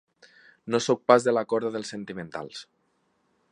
No sóc pas de la corda dels sentimentals.